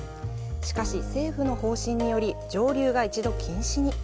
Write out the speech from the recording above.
しかし、政府の方針により蒸留が一度禁止に。